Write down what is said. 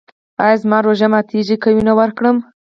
ایا زما روژه ماتیږي که وینه ورکړم؟